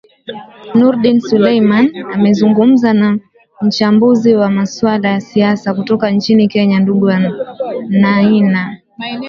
nurdin seleman amezungumza na mchambuzi wa maswala ya siasa kutoka nchini kenya ndugu wainaina